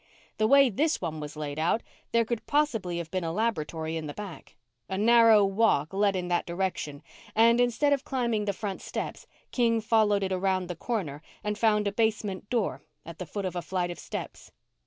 The way this one was laid out, there could possibly have been a laboratory in the back. A narrow walk led in that direction and, instead of climbing the front steps, King followed it around the corner and found a basement door at the foot of a flight of steps.